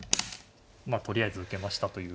まあとりあえず受けましたという。